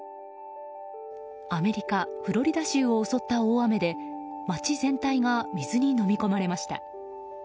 アメリカ・フロリダ州を襲った大雨で街全体が水にのみ込まれました。